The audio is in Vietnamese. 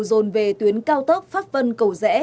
dồn về tuyến cao tốc pháp vân cầu rẽ